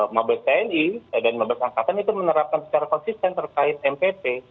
mabes tni dan mabes angkatan itu menerapkan secara konsisten terkait mpp